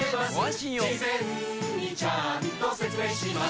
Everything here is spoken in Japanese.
事前にちゃんと説明します